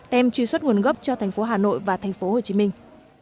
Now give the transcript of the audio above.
tem truy xuất nguồn gốc cho tp hà nội và tp hồ chí minh